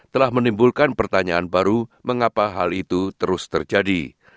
telah menimbulkan pertanyaan baru mengapa hal itu terus terjadi